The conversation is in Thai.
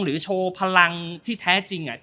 หรือโชว์พลังที่แท้จริงอะ